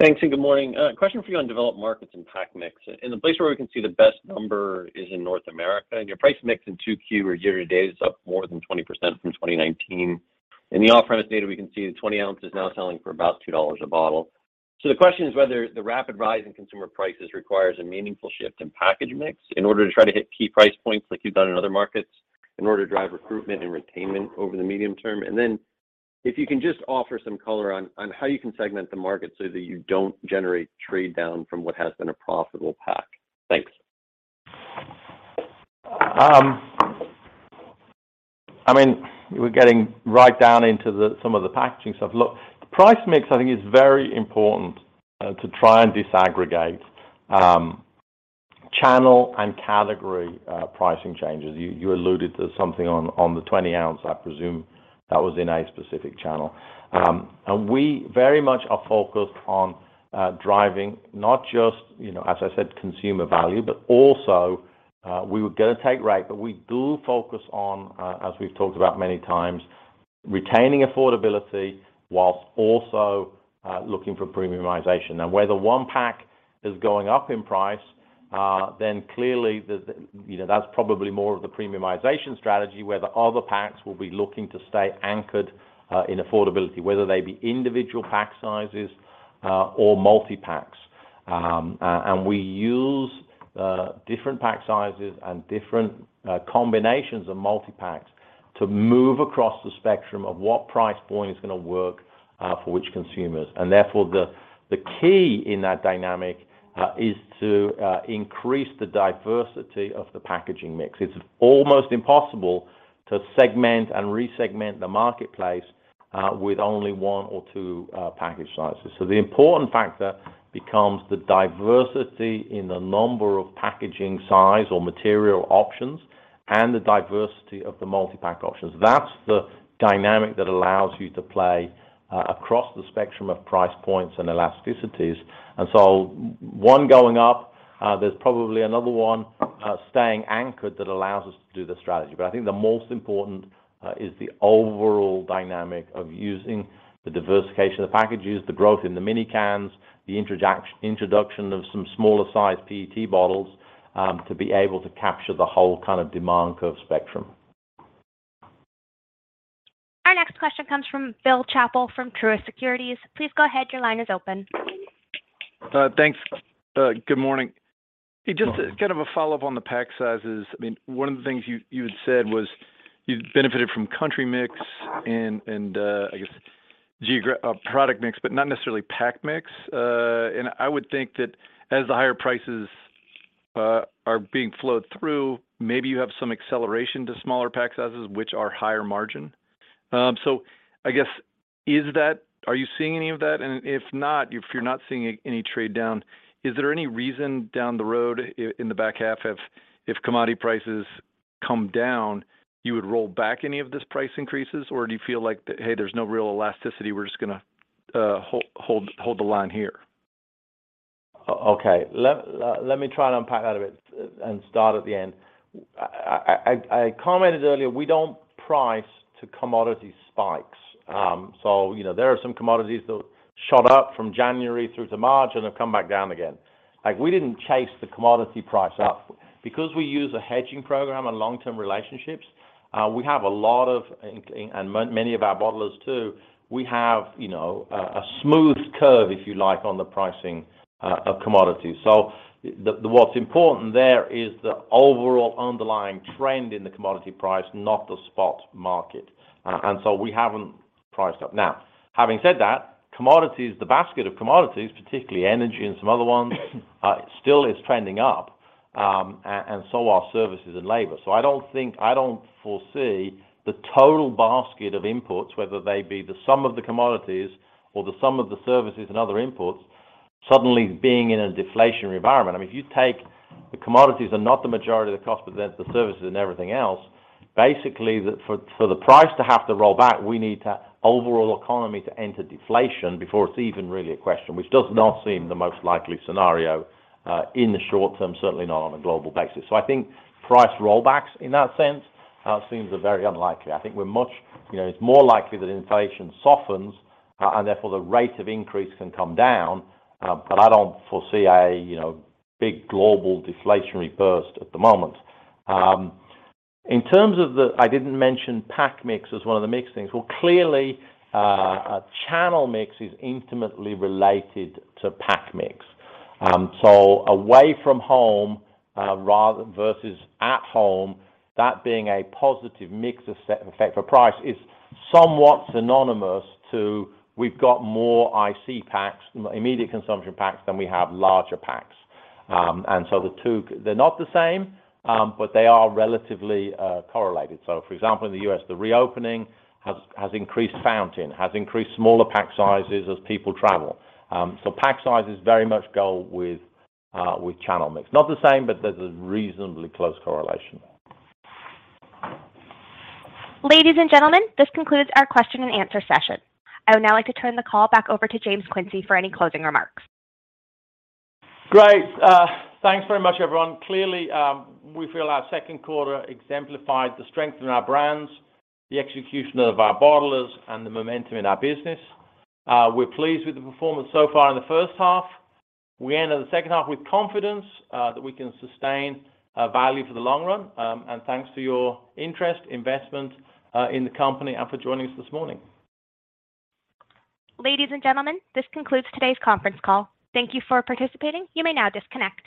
Thanks, and good morning. Question for you on developed markets and pack mix. The place where we can see the best number is in North America, and your price mix in 2Q or year to date is up more than 20% from 2019. In the off-premise data, we can see the 20 ounces now selling for about $2 a bottle. The question is whether the rapid rise in consumer prices requires a meaningful shift in package mix in order to try to hit key price points like you've done in other markets in order to drive recruitment and retention over the medium term. Then if you can just offer some color on how you can segment the market so that you don't generate trade down from what has been a profitable pack. Thanks. I mean, we're getting right down into some of the packaging stuff. Look, the price mix, I think, is very important to try and disaggregate channel and category pricing changes. You alluded to something on the 20-ounce. I presume that was in a specific channel. We very much are focused on driving not just, you know, as I said, consumer value, but also we would get a take rate, but we do focus on, as we've talked about many times, retaining affordability whilst also looking for premiumization. Now, where the one pack is going up in price, then clearly the you know, that's probably more of the premiumization strategy, where the other packs will be looking to stay anchored in affordability, whether they be individual pack sizes or multipacks. We use different pack sizes and different combinations of multipacks to move across the spectrum of what price point is gonna work for which consumers. Therefore, the key in that dynamic is to increase the diversity of the packaging mix. It's almost impossible to segment and re-segment the marketplace with only one or two package sizes. The important factor becomes the diversity in the number of packaging size or material options and the diversity of the multipack options. That's the dynamic that allows you to play across the spectrum of price points and elasticities. One going up, there's probably another one staying anchored that allows us to do the strategy. I think the most important is the overall dynamic of using the diversification of the packages, the growth in the mini cans, the introduction of some smaller sized PET bottles, to be able to capture the whole kind of demand curve spectrum. Our next question comes from Bill Chappell from Truist Securities. Please go ahead, your line is open. Thanks. Good morning. Morning. Just kind of a follow-up on the pack sizes. I mean, one of the things you had said was you'd benefited from country mix and I guess product mix, but not necessarily pack mix. I would think that as the higher prices are being flowed through, maybe you have some acceleration to smaller pack sizes which are higher margin. I guess is that. Are you seeing any of that? If not, if you're not seeing any trade down, is there any reason down the road in the back half if commodity prices come down, you would roll back any of this price increases, or do you feel like that, "Hey, there's no real elasticity, we're just gonna hold the line here? Okay. Let me try to unpack that a bit and start at the end. I commented earlier, we don't price to commodity spikes. So, you know, there are some commodities that shot up from January through to March, and they've come back down again. Like, we didn't chase the commodity price up. Because we use a hedging program and long-term relationships, we have a lot of and many of our bottlers too, we have, you know, a smooth curve, if you like, on the pricing of commodities. So what's important there is the overall underlying trend in the commodity price, not the spot market. We haven't priced up. Now, having said that, commodities, the basket of commodities, particularly energy and some other ones, still is trending up, and so are services and labor. I don't think I don't foresee the total basket of imports, whether they be the sum of the commodities or the sum of the services and other imports, suddenly being in a deflationary environment. I mean, if you take the commodities are not the majority of the cost, but then it's the services and everything else. Basically, for the price to have to roll back, we need the overall economy to enter deflation before it's even really a question, which does not seem the most likely scenario in the short term, certainly not on a global basis. I think price rollbacks in that sense seems very unlikely. I think we're much, you know, it's more likely that inflation softens and therefore the rate of increase can come down, but I don't foresee a, you know, big global deflationary burst at the moment. In terms of, I didn't mention pack mix as one of the mix things. Well, clearly, a channel mix is intimately related to pack mix. So away from home, rather versus at home, that being a positive mix effect for price is somewhat synonymous to we've got more IC packs, immediate consumption packs, than we have larger packs. The two, they're not the same, but they are relatively correlated. For example, in the U.S., the reopening has increased fountain and smaller pack sizes as people travel. Pack sizes very much go with channel mix. Not the same, but there's a reasonably close correlation. Ladies and gentlemen, this concludes our question and answer session. I would now like to turn the call back over to James Quincey for any closing remarks. Great. Thanks very much, everyone. Clearly, we feel our second quarter exemplified the strength in our brands, the execution of our bottlers, and the momentum in our business. We're pleased with the performance so far in the first half. We enter the second half with confidence that we can sustain value for the long run. Thanks for your interest, investment in the company, and for joining us this morning. Ladies and gentlemen, this concludes today's conference call. Thank you for participating. You may now disconnect.